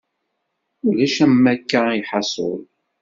Ulac am wakka lḥasul.